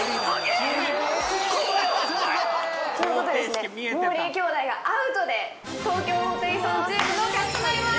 こいつすげえ！ということでもーりー兄弟がアウトで東京ホテイソンチームの勝ちとなります！